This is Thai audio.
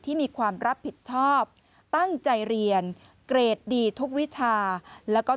ที่มีความรับผิดชอบตั้งใจเรียนเกรดดีทุกวิชาแล้วก็